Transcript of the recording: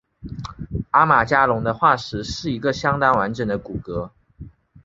阿马加龙的化石是一个相当完整的骨骼。